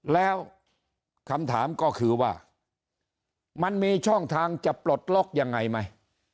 แล้วคำถามก็คือว่ามันมีช่องทางจะปลดล็อกยังไงไหม